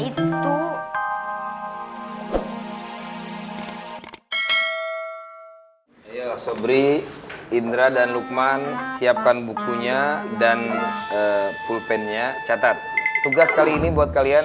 itu yo yo sobri indra dan lukman siapkan bukunya dan pulpennya catat tugas kali ini buat kalian